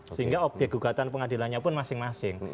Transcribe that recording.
sehingga obyek gugatan pengadilannya pun masing masing